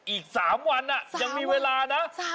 อีก๓วันยังมีเวลานะ